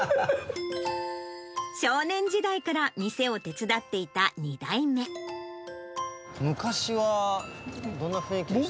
少年時代から店を手伝ってい昔はどんな雰囲気でした？